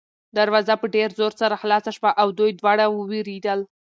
دروازه په ډېر زور سره خلاصه شوه او دوی دواړه ووېرېدل.